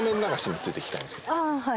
はい。